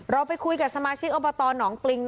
เราไปคุยกับสมาชิกอบาลตรน้องปริงนะฮะ